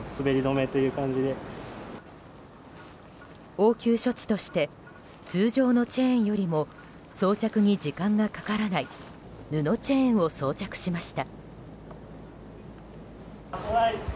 応急処置として通常のチェーンよりも装着に時間がかからない布チェーンを装着しました。